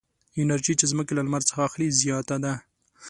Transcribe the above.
انرژي چې ځمکه له لمر څخه اخلي زیاته ده.